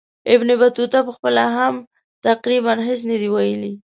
ابن بطوطه پخپله هم تقریبا هیڅ نه دي ویلي.